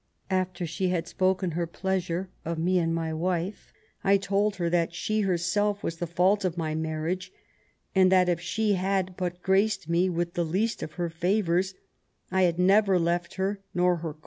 After she had spoken her pleasure of me and my wife I told her that she herself was the fault of my marriage, and that if she had but graced me with the least of her favours I had never left her nor her THE NEW ENGLAND.